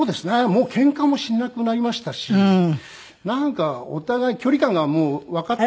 もうけんかもしなくなりましたしなんかお互い距離感がもうわかって。